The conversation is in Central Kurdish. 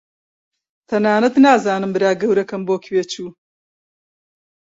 تەنانەت نازانم برا گەورەکەم بۆ کوێ چوو.